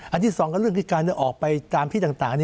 อันที่สองก็เรื่องที่การออกไปตามที่ต่าง